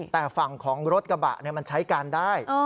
แต่ฝั่งของรถกระบะมันใช้การได้